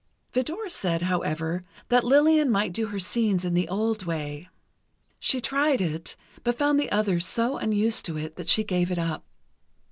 Vidor said, however, that Lillian might do her scenes in the old way. She tried it, but found the others so unused to it that she gave it up.